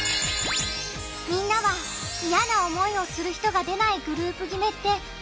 みんなは嫌な思いをする人が出ないグループ決めってあると思う？